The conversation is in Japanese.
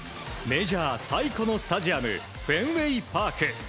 メジャー最古のスタジアムフェンウェイパーク。